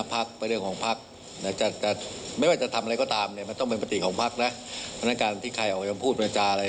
เพราะฉะนั้นที่ใครออกพยาบาลพูดบรรจาอะไร